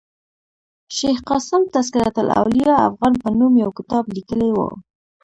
شېخ قاسم تذکرة الاولياء افغان په نوم یو کتاب لیکلی ؤ.